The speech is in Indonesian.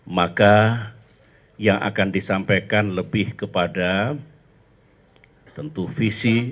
maka yang akan disampaikan lebih kepada tentu visi